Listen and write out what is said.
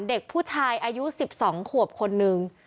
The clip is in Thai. เด็กผู้ชายอายุ๑๒ขวบคนนึง